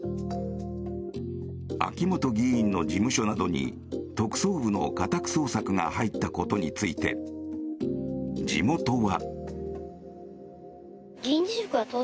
秋本議員の事務所などに特捜部の家宅捜索が入ったことについて地元は。